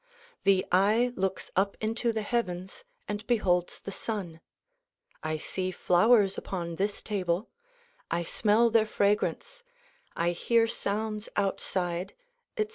The eye looks up into the heavens and beholds the sun ; I see flowers upon this table ; I smell their fragrance ; I hear sounds outside, etc.